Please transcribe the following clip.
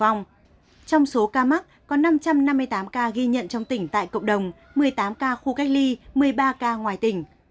trong số ca mắc có năm trăm năm mươi tám ca ghi nhận trong tỉnh tại cộng đồng một mươi tám ca khu cách ly một mươi ba ca ngoài tỉnh